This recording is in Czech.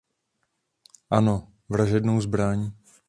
Ano, vražednou zbraň.